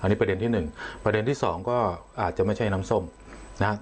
อันนี้ประเด็นที่หนึ่งประเด็นที่สองก็อาจจะไม่ใช่น้ำส้มนะ